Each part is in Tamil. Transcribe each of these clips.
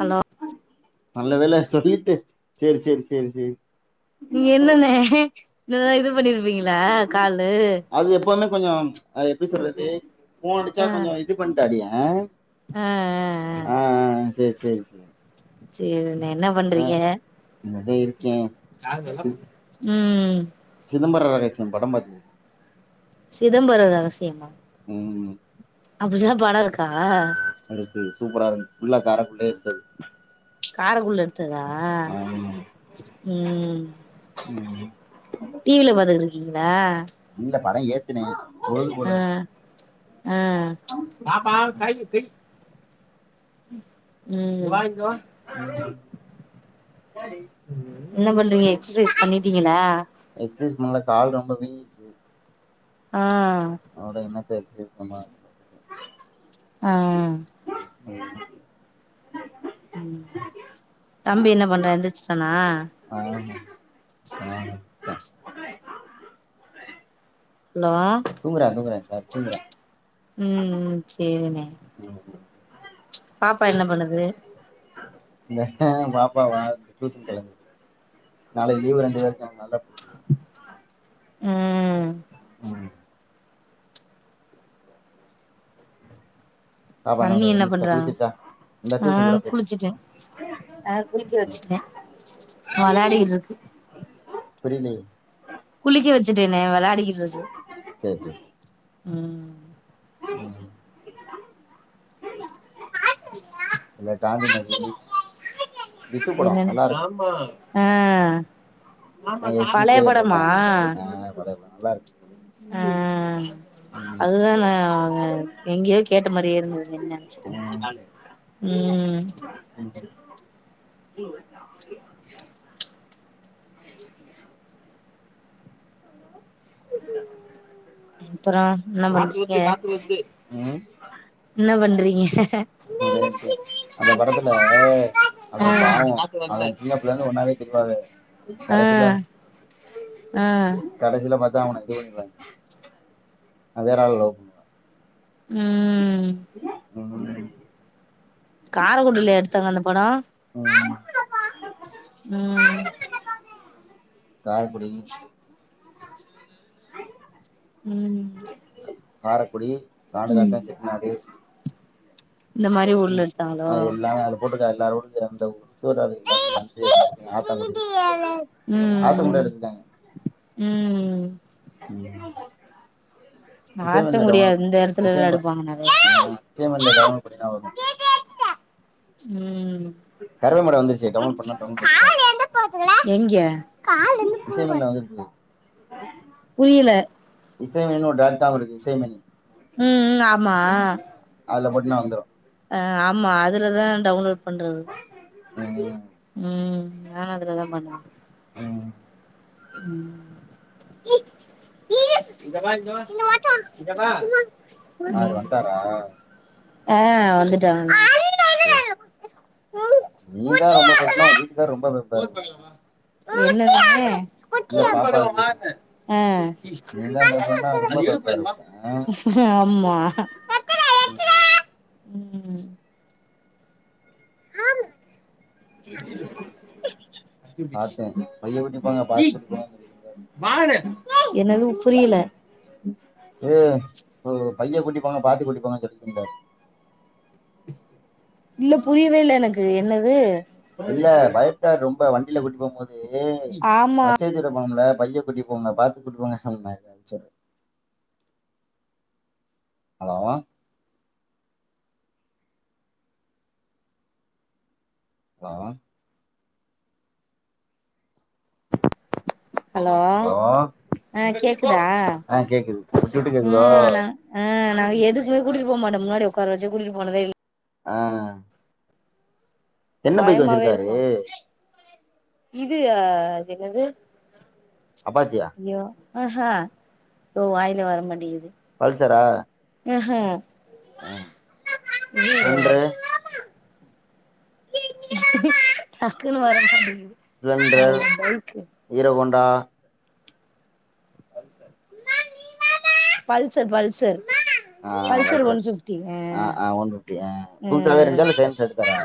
ஹலோ நல்ல வேல சொல்லி டு சேரி சேரி சேரி சேரி நீ என்னன்ன இல்ல இது பண்ணிருப்பீங்கள காலு கொஞ்சம் அது எப்டி சொல்றது ஓடுச்சா கொஞ்சோ இது பண்ட்ட அப்டியே ஆ அ அ அ சேர் சேரி சேரி செய்யனு என்ன ஆ பண்றீங்க இங்கதா இருக்கே ஆகுலலப் ம் சிதம்பர ரகசியம் படம் பாத்திங் சிதம்பர ரகசியம்மா ம் அப்டில்லா பட இருக்கா இருக்கு சூப்பரா இரு ஃபுல்லா காரக்குடிலயே எடுத்தது காரக்குடில் எடுத் ஆமா [unintelligible] உம் உம் டிவில பாத்து இருக்கீங்களா இல்ல படோ ஏத்துனே பொழுது போல ஆ ஆ ம் என்ன பண்றீங்க எக்ஸ்சசைஸ் பண்ணிட்டீங்களா எக்சைஸ் பண்ணல கால் ரொம்ப வீங்கிட்டு ஆ அட என்ன பேல் [unintelligible] ஆ ம் ம் தம்பி என்ன பண்றான் எந்திரிச்சிட்டானா அ ஹலோ தூங்குறா துங்குறா சா [unintelligible] ம் செரிண்ணே ம் பாப்பா என்ன பண்ணுது இந்த அ பாப்பாவா டியூஷன் கெளம்பிச்சு நாளை லீவ் ரெண்டு பேருக்கும் நல்லா ம் ம் பாப்பா அண்ணி பண்ணுது என்ன எந்திரிச்சிட்டா பண்றாங்க குளிச்சிருச்சா இந்தா ஆ டியூஷன் கூட போயிருச்சு குளிச்சுட்டேன் அ குளிக்க வச்சுட்டேன் வெளையாடிக்கிட்டு இருக்கு புரிலயே குளிக்க வச்சிட்டனே விளையாடிக்கிட்டு இருக்கு சரி சரி ம் [inaudible] இல்ல காந்தி நகர் ம் என்னன் ஆ நான் எஸ்பி பழைய சேகர் படமா இருப்பேன் ஆ படம் படம் நல்லா இருக்கும் அ அதுதா நா எங்கயோ கேட்ட மாரியே இருந்தது என்ன ம். ம் உஹ அப்றோ என்ன வ [unintelligible] க்கு ம். என்ன பன்றி [inaudible] ஒத எதி அந்த படத்துல அவ ஆ பாவோ அவ சின்ன புள்ளருந்து ஒன்னாவே திரி தெரியாது கடைசில ஆ ஆ கடைசில மத் தா உனக்கு கேக்குதா அவ வேறால் லவ் பண்ணுவா ம் [unintelligible] காரக்குடிலயா எடுத்தாங்க அந்த படோ ம் ம் காரக்குடி ம் காரக்குடி ம் காடுதாத்த செக்னாடி இந்த மாரி ம் ஊர்ல எடுத்தாங்களோ ஆ எல்லா அதுல போட்டுருக்க எல்லாரு [unintelligible] [unintelligible] த்து எல்லாத்த நன் இரு ஆத்தங்குடி ஆத்தங்குடிய ம் ம் எடுத்தாங்க ம் ம் மாத்த முடியாது இந்த எடத்துல எடுப்பாங்க நறையா டவுண்லோட் பண்ணிட்டா போது ம் வந்துருச்சு டவுன்லோட் பண்ணா டவுன்லோட் பண்ணி பாரு எங்க இசைமில்ல [inaudible] புரியல இசைமணின்னு ஒரு டேட்டாவு இருக்கு இசைமணி ம்க்ம் ஆமா அதுல போட்டினா வந்துரு அ ஆமா அதுலதா டவுன்லோட் பண்றது ம்க்ம் ம் நாங்க அதுலதா பண்ணுவோ ம் ம் சார் வன்டாரா ஆ வந்துட்டாங்க சேரி நீ தா ரொம்ப பயப்படுரனா உன் வீட்டுக்காரர் ரொம்ப பயப்படுவார் போல என்ன இல்ல பாப்பாக்கு நீதா பயப்படனா ரொம்ப பயப்படாத போல ஆ சே அ ஆமா [unintelligible] உம் பாத்தே பைய கூட்டிப்பொங்க பாத்து ஏய் கூட்டிபோங்கன் சொல்லிகிட்ருந்தாரு வாடா என்னது புரியல [unintelligible] பைய கூட்டி போங்க பாத்தி கூட்டி போங்கன் சொல்லிகிட்ருந்தாரு இல்ல புரியவே இல்ல எனக்கு என்ன து இல்ல பயப்டார் ரொம்ப வண்டில கூட்டி போம்போ து ஆமா பஸ் ஏத்தி விடப் போம்ல பைய கூட்டி போங்க பாத்து கூட்டு போங்க [unintelligible] ஹலோ ஹலோ ஹலோ ஆ கேக்குதா ஆ கேக்குது விட்டு விட்டு கேக்குதோ ம் நங் அ நாங்க எதுக்குமே கூட்டிட்டு போ மாட்டொ முன்னாடி ஒக்கார வச்சு கூட்டிட்டு போனதே இல் ஆ என்ன பைக்கு பயமாவே வச்சுருக்காரு இருக்கு இது அ அதென்னது அப்பாச்சியா அஹா தொ வாய்ல வரமாட்டேங்குது பல்சரா அஹ ஆ ஸ்ப்ளெண்ட்ரு இது டக்குனு வரமாட்டிங்கிது Splendor Hero Honda Pulsar Pulsar ஆ பல்சர் அ‌ ஆ ஒன் ஃபிஃப்டி அ புதுசாவே இருன்ச்சா இல்ல செகண்ட்ல எடுத்தாரா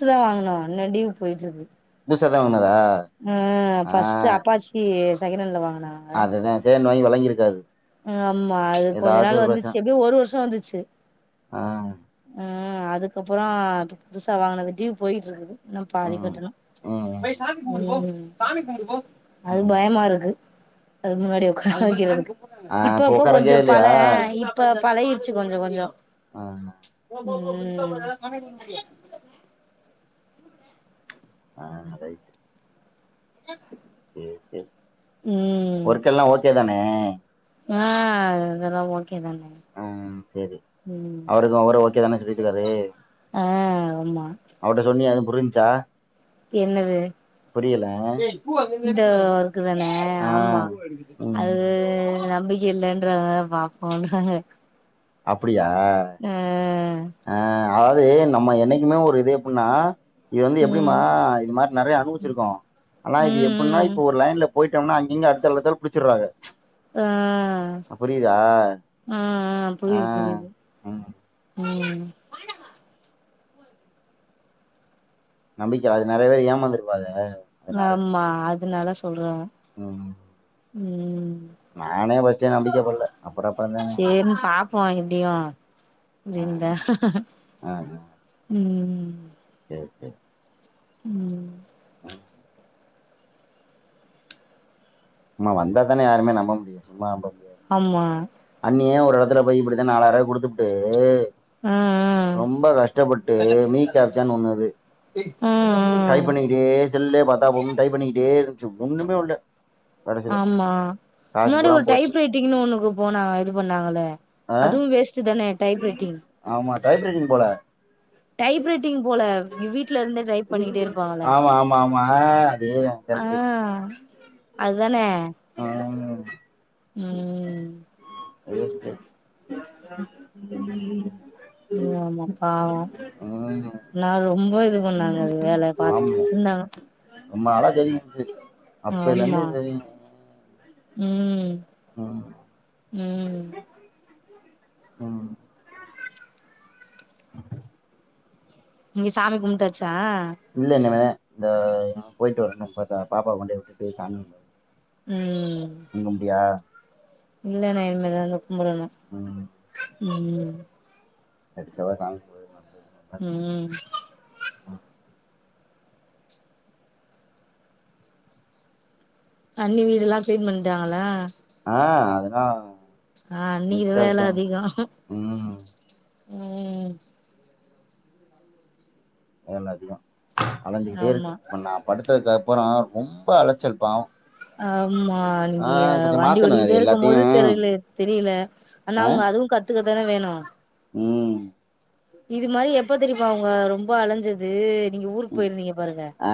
இப்பதா வாங்குனோ இன்ன டிவ் போயிட்ருக்கு புதுசாதா வங் ம் ஃபர்ஸ்ட்டு அப்பாச்சி செகனண்ட்ல வாங்கு அதுதா சே நோய் வெல ங்கி இருக்காது ஆம்மா அது கொஞ்ச நாள் வந்துச்சு எப்டியு ஒரு வருஷ வந்து ச்சு ஆ அ ம் அதுக்கப்புறொ இப்ப புதுசா வாங்குனது ட்யூ போயிட்ருக்குது இன்னு பாதி ம் கட்டணு ம் ம் சாமி கும்டு போ அது ம் பயமா இருக்கு அதுக் முன்னாடி ஒக்கார வைக்கறதுக்கு ஆ இப்ப இப்பப்போ உக்கார கொஞ்சொ வைக்கவே இல்லையா பல இப்ப பலகிர்சி கொஞ்சொ கொஞ்சொ ஆ ம் ஆ ரைட் சேரி சேரி ம் ம் ஒர்க் எல்லா ஓகே தான ஆ ஆ இதெல்லா ஒன் ம் சேரி ம் அவருக்கு அவரு ஓகே தான உங்க வீட்டுக்காரு ஆ ஆமா அவர்ட்ட சொன்னியா ஏதும் புரிஞ்சா என்னது இட க்குதான ஆ ஆம்மா அது ம் நம்பிக் இல்லன்றாங்க பாப்போன்றாங்க அப்பிட் ப்டியா ஆ ஆ அதாது நம்ம என்னைக்குமே ஒரு இது எப்புட்னா இது வந்து எப்டிமா ம் இது மாரி நெறையா அனுபவிச்சிருக்கோ ஆனா இது ம் எப்டின்னா ம் இப்ப ஒரு லைன்லப் போய்ட்டம்னா அங்கிங்க அத்தல் அத்தல் புடிச்சிற்றாக ஆ அ அ ஆ புரிது புரிது ம் ம் நம்பிக்க அது நெறையவே ஏமாந்துருப்பாரு ஆம்மா அத் துனால சொல்றாங்க ம் ம் நானே ஃபர்ஸ்ட்டே நம்பிக்க படல அப்புறம் அப்புறம் தானே சேரின்னு பாப்போ எப்டியு ஆ எங்க ஆ ம் ம் சேரி சேரி ம் ம் ம்மா வந்தாத்தான யாருமே நம்ப முடியு சும்மா போ ஆம்மா ஒர் எடத்துல போய் இப்புடிதா நாலாயரூவாய குடுத்துப்புட்டு ஆ ரொம்ப கஷ்டப்பட்டு மீக் கேப்ச்சான்னு ஒன்னுது ஆ ம் டைப் ம் பண்ணிக்கிட்டே செல்லே பாத்தாப் போது டைப் பண்ணிக்கிட்டே இரு ச்சு ஒண்ணுமே ஆவல ஆம்மா முன்னாடி ஒரு போச்சு டைப் ரைட்டிங்னு ஒன்னுக்கு போனாங்க இது பண்ணாங்கலே ஆ அதுவு வேஸ்ட்டு தானே டைப்ரெட்டிங் மா டைப் ரைடிங் போல டைப் ரைட்டிங் போல வீட்ல இருந்தே டைப் பண்ணிக்ட்டே இருப்பாங்ளே ஆமா ஆமா ஆமா ஆ தேதா கரெக்ட்டு அது தானே ஆ [unintelligible] ம் வேஸ்ட்டு நியாமா பாவோ ம் நா [unintelligible] ரொம்ப இது பண்ணாங்க அது வேல பாத்துட்டு இந்தாங்க ஒம்மாளை தெரியு [unintelligible] ஆமா அப்பய்லந்தே தெரியு ம் ம் ம் ம் இங்க சாமி கும்டாச் இல்ல இன்மேத த போயிட்டு வரணு இப்பதா பாப்பாவ கொண்டு போய் விட்டுட்டு சாமி கும்டணு ம் இல்லனா இனிமேதா தொ கும்படணு ம் கடிச்சாவா தாங்க போது நல்லது நல்லா கும்பிடு ம் அண்ணி வீடுலா க்ளீன் பண்டாங்ளா ஆ அதுனா ஆ நீர் வேல அதிகொ ம் ம் வேல அதிகொ அலஞ்சுகிட்டே இருக்கு ஆமா இப்ப நா படுத்தகப் பறோ ரொம்ப அலச்சல் பாவொ ஆமா நீங்க வண்டி மாத்தணு அது ஓட்டிக்கிட்டே இருக்கும் எல்லாத்தையு போது தெரில தெரியில ஆனா ஆ அவுங்க அதுவு கத்துக்க தானெ வேணு ம் இது மாரி எப்ப தெரிமா அவுங்க ரொம்ப அலஞ்சது நீங்க ஊருக் ம் போயிருந்தீங்க பாருங்க ஆ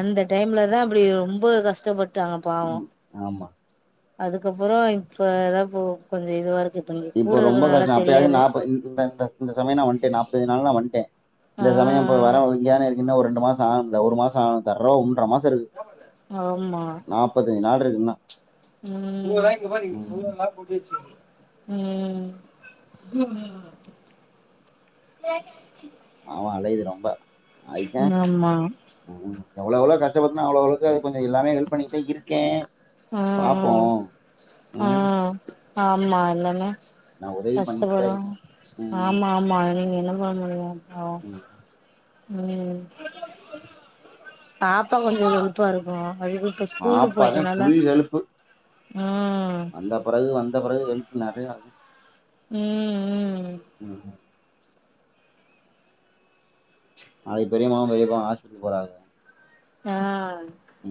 அந்த டைம்லதா அப்டி ரொம்ப கஷ்டபட் ட்டாங்க பாவொ ம் ஆமா அதுக்கப்பறொ இப்ப தா போ கொஞ்சொ இதுவா இருக் இப்ப ரொம்ப கஷ்டொ அப்பயாது நாப்ப இந் இந்த இந்த இந்த சமய நா வன்டேன் நாப் தஞ்சு நாள் நா வன்ட்டே ஆ இந்த சமயம்ப்ப வர ஒ இங்கியான இருக்கின்டா ஒர் ரெண் டு மாச ஆகுந்த ஒரு மாச ஆகு தரோ ஒன்ற மா சருகு ஆ ஆமா நாப்பத்தஞ்சு நாள்ருகு இன்னா ம் ம் ஆமா அலையிது ரொம்ப ஆமா எவ்ளவ்ளொ கஷ்டப்பத்துனா அவ்ளொவ்ளக்கு அதுக்கொஞ்ச எல்லாமே ஹெல்ப் பண்ணிட்தே இருக்கே ம் பாப்போ ம் ம் ஆமா எல்லத் நா [unintelligible] உதவி பண்ணிக்கிட்டே கஷ்டப்படு இருக்கே ம் ஆமா ஆமா நீங்க என்னம் [unintelligible] ஓ ம் ம் பாப்பாக் கொஞ்சொ ஹெல்ப்பா இருக்கு அதுக்கு இப்ப ஸ்கூலுக்கு பாப்பாதே போயிட்டனால ஃபுல் ஹெல்ப்பு ம் வந்த பிறகு வந் த பிறகு ஹெல்ப் நெறையா அதே ம் ம் ம்ம் நாளைக் பெரிமாவு பெரிப்பாவு ஹாஸ்பிடல் போறாங்க ஆ உ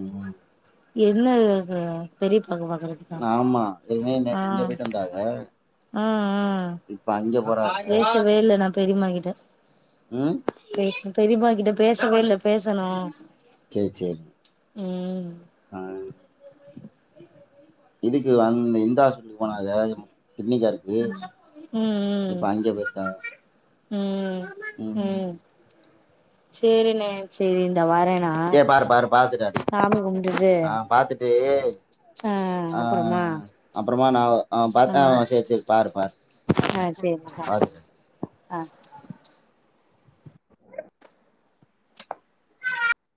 என்ன இது பெரிப் அது வர்ரதுக்கா ஆமா ஏற்கனவே ஆ நேத்து இங்க போயிட்டு வந்தாங்க ஆ இப்ப அங்க ஆ போறாக பேசவேல்ல ந பெரிமாகிட்ட ம் பேஸ் பெரிமா இத பேசவே இல்ல பேசணு சேரி சேரி ம் ஆ இதுக்கு அந் இந்தா ஹாஸ்டலுக் போனாக ட்னிக்காருக்கு இப்போ ம் அஞ்ச பேய்ட்டாக ம் ம் சேரி நே சே பாரு பாரு பாத்துட்ட சாமி கும்ட்டுட்டு ஆ பாத்துட்டு ஆ அப்புறமா அப்பறமா நாவ ஆ பாத்தா வு சேர் சேர் பாரு ஆ சேரிண்ணா பாரு பண்றேண்ணா ஆ